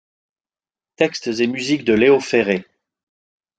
Textes et musiques de Léo Ferré.